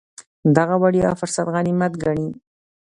دغه وړیا فرصت غنیمت ګڼي.